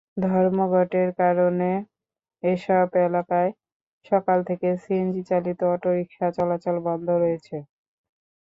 ধর্মঘটের কারণে এসব এলাকায় সকাল থেকে সিএনজিচালিত অটোরিকশা চলাচল বন্ধ রয়েছে।